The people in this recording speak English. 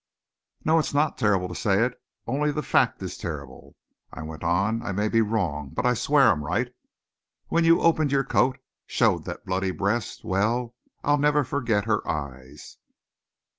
"No. It's not terrible to say it only the fact is terrible," I went on. I may be wrong. But I swear I'm right. When you opened your coat, showed that bloody breast well, I'll never forget her eyes.